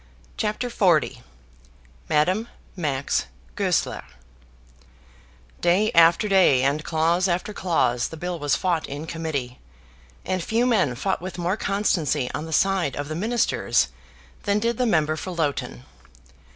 CHAPTER XL Madame Max Goesler Day after day, and clause after clause, the bill was fought in committee, and few men fought with more constancy on the side of the Ministers than did the member for Loughton.